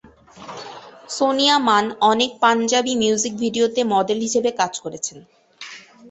সোনিয়া মান অনেক পাঞ্জাবি মিউজিক ভিডিওতে মডেল হিসেবে কাজ করেছেন।